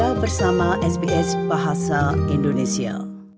kita bersama sbs bahasa indonesia